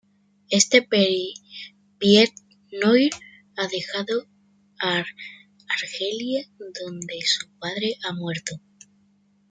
Este, "pied-noir", ha dejado Argelia, donde su padre ha muerto.